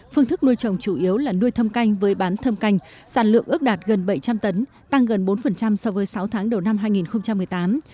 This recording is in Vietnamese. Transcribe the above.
phương thức nuôi trồng chủ yếu là nuôi thâm canh với bán thâm canh sản lượng ước đạt gần bảy trăm linh tấn tăng gần bốn so với sáu tháng đầu năm hai nghìn một mươi tám